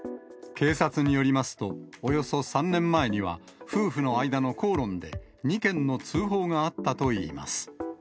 警察によりますと、およそ３年前には、夫婦の間の口論で、２件の通報があったといいます。